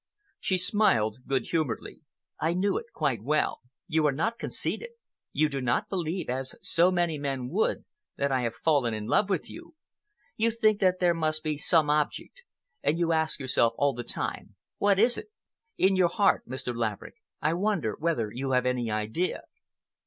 She smiled good humoredly. "I knew it quite well. You are not conceited. You do not believe, as so many men would, that I have fallen in love with you. You think that there must be some object, and you ask yourself all the time, 'What is it?' in your heart, Mr. Laverick, I wonder whether you have any idea."